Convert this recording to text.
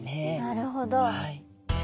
なるほど。